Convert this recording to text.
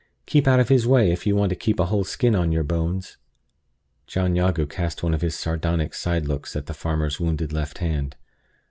Keep out of his way, if you want to keep a whole skin on your bones." John Jago cast one of his sardonic side looks at the farmer's wounded left hand.